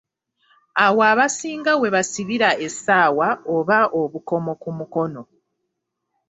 Awo abasinga we basibira essaawa oba obukomo ku mukono.